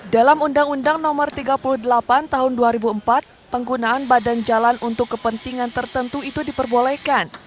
dalam undang undang no tiga puluh delapan tahun dua ribu empat penggunaan badan jalan untuk kepentingan tertentu itu diperbolehkan